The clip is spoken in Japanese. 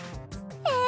え